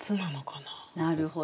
なるほど。